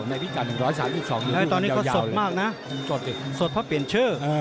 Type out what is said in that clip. ในวิจัย๑๓๒อยู่อย่างยาวแล้วตอนนี้ก็สดมากนะสดเพราะเปลี่ยนชื่อ